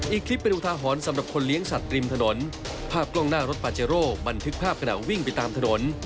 อีกคลิปเป็นอุทาหรณ์สำหรับคนเลี้ยงสัตว์ริมถนนภาพกล้องหน้ารถปาเจโร่บันทึกภาพขณะวิ่งไปตามถนน